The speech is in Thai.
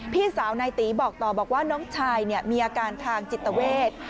พี่สาวนายตีบอกต่อบอกว่าน้องชายมีอาการทางจิตเวท